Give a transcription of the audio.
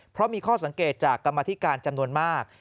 เพราะมีข้อสังเกตจากกรรมธิการจำนวนมาก